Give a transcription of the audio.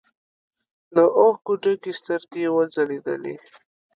له اوښکو ډکې سترګې يې وځلېدې.